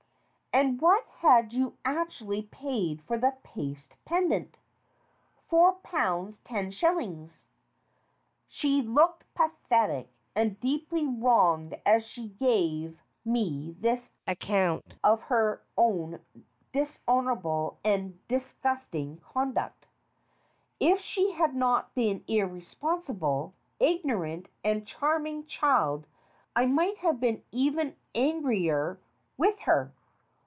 "And what had you actually paid for the paste pen dant?" "Four pounds ten shillings." She looked pathetic and deeply wronged as she gave me this account of her own dishonorable and dis gusting conduct. If she had not been an irresponsible, ignorant, and charming child I might have been even angrier with her.